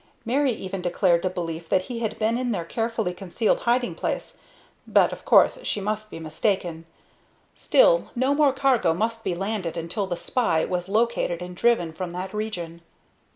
Mary even declared a belief that he had been in their carefully concealed hiding place, but, of course, she must be mistaken. Still, no more cargo must be landed until the spy was located and driven from that region.